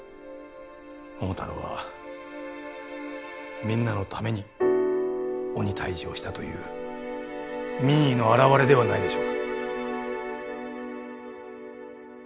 桃太郎はみんなのために鬼退治をしたという民意の表れではないでしょうか。